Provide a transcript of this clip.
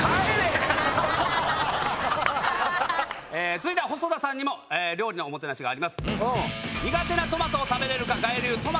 続いては細田さんにも料理のおもてなしがあります。